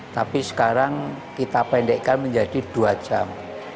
tapi sekarang kita pendekkan menjadi dua jam